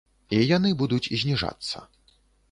І яны будуць зніжацца.